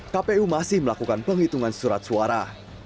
kpu masih melakukan penghitungan surat suara